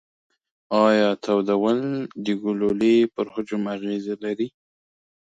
ایا تودول د ګلولې پر حجم اغیزه لري؟